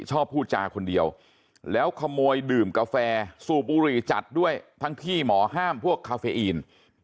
พูดจาคนเดียวแล้วขโมยดื่มกาแฟสูบบุหรี่จัดด้วยทั้งที่หมอห้ามพวกคาเฟอีน